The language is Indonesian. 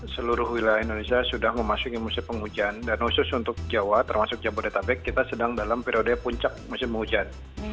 seluruh wilayah indonesia sudah memasuki musim penghujan dan khusus untuk jawa termasuk jabodetabek kita sedang dalam periode puncak musim hujan